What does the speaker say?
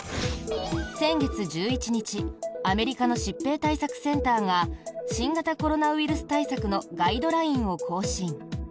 先月１１日アメリカの疾病対策センターが新型コロナウイルス対策のガイドラインを更新。